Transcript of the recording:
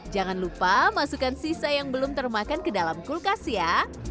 jangan lupa masukkan sisa yang belum termakan ke dalam kulkas ya